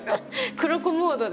黒子モードで。